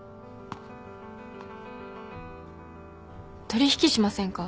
取引しませんか？